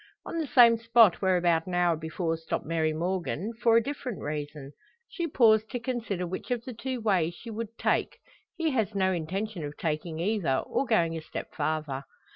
On the same spot where about an hour before stopped Mary Morgan for a different reason. She paused to consider which of the two ways she would take; he has no intention of taking either, or going a step farther.